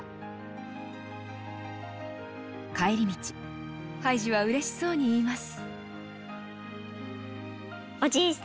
帰り道ハイジはうれしそうに言います。